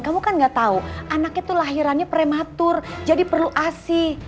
kamu kan gak tau anaknya tuh lahirannya prematur jadi perlu asih